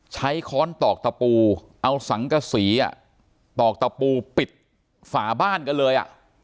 ใช้ค้นตอกตะปูเอาสังกะศีอะตอกตะปูปิดฝ่าบ้านกันเลยอะ